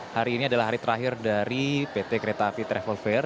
hari ini adalah hari terakhir dari pt kereta api travel fair